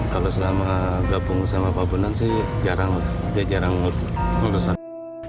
kalau selama gabung sama pak bondan sih jarang dia jarang urusan